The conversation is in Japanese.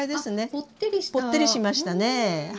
ぽってりしましたねはい。